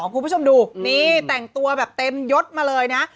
คุณผู้ชมดูนี่แต่งตัวแบบเต็มยดมาเลยนะ